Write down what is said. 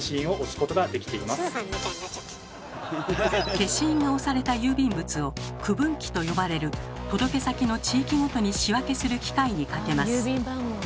消印が押された郵便物を「区分機」と呼ばれる届け先の地域ごとに仕分けする機械にかけます。